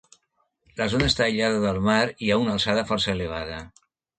La zona està aïllada del mar i a una alçada força elevada.